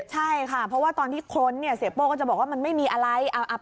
ใช่ค่ะเพราะว่าตอนที่ค้นเนี่ยเสียโป้ก็จะบอกว่ามันไม่มีอะไร